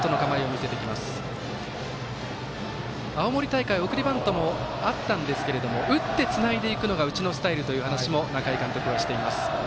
青森大会送りバントもあったんですけども打ってつないでいくのがうちのスタイルという話も仲井監督はしています。